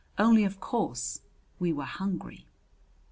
Only, of course we were hungry.